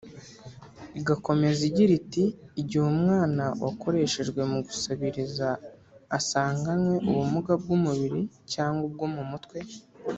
Igakomeza igira iti “Igihe umwana wakoreshejwe mu gusabiriza asanganywe ubumuga bw’umubiri cyangwa bwo mu mutwe